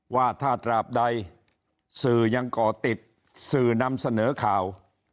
ว่าถ้าตราบใดสื่อยังก่อติดสื่อนำเสนอข่าว